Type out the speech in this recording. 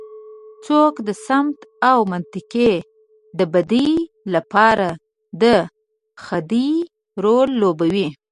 څوک د سمت او منطقې د بدۍ لپاره د خدۍ رول لوبوي.